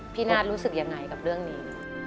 พี่นาฬิรู้สึกอย่างไหนกับเรื่องนี้